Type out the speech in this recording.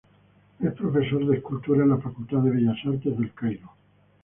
Es profesor de escultura en la Facultad de Bellas Artes de El Cairo.